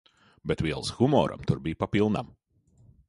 Bet vielas humoram tur bija papilnam.